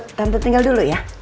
put tante tinggal dulu ya